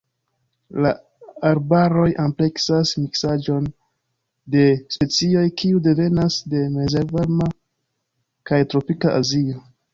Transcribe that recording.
La arbaroj ampleksas miksaĵon de specioj kiuj devenas de mezvarma kaj tropika Azio.